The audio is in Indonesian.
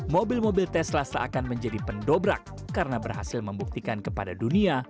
mobil mobil tesla seakan menjadi pendobrak karena berhasil membuktikan kepada dunia